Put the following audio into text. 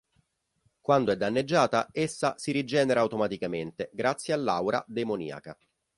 Quando è danneggiata, essa si rigenera automaticamente grazie all'aura demoniaca.